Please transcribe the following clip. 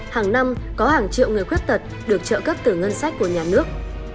hàng năm có hàng triệu người khuyết tật được trợ cấp từ ngân sách của nhà nước